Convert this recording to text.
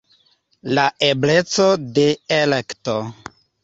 La ebleco de elekto.